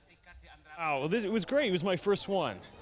ini sangat bagus ini adalah pertama kali saya